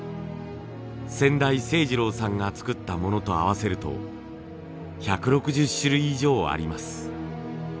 先代晴二郎さんが作ったものと合わせると１６０種類以上あります。